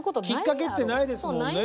きっかけってないですもんね